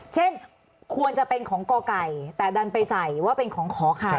เช่นควรจะเป็นของกไก่แต่ดันไปใส่ว่าเป็นของขอไข่